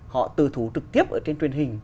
họ từ thú trực tiếp ở trên truyền hình